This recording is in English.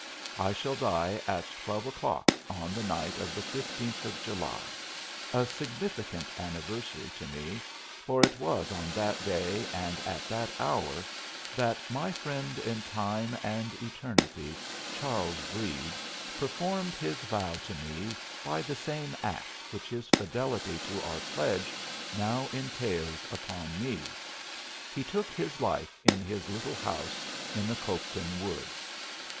I shall die at twelve o'clock on the night of the 15th of July a significant anniversary to me, for it was on that day, and at that hour, that my friend in time and eternity, Charles Breede, performed his vow to me by the same act which his fidelity to our pledge now entails upon me. He took his life in his little house in the Copeton woods.